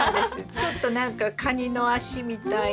ちょっと何かカニの脚みたいな。